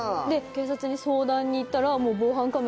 警察に相談に行ったら。